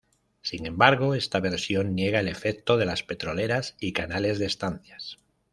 Sin embargo esta versión niega el efecto de las petroleras y canales de estancias.